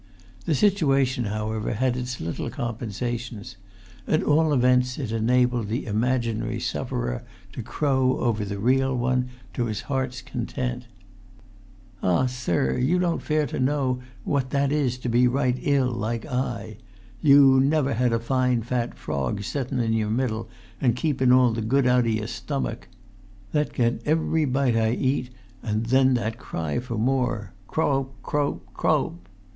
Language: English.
The situation, however, had its little compensations: at all events it enabled the imaginary sufferer to crow over the real one to his heart's content. "Ah, sir, you don't fare to know what that is to be right ill, like I. You never had a fine fat frog settun in your middle an' keepun all the good out o' your stummick. That get every bite I eat, an' then that cry for more. Croap, croap, croap!"